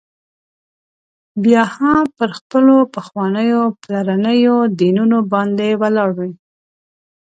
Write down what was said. بیا هم پر خپلو پخوانیو پلرنيو دینونو باندي ولاړ وي.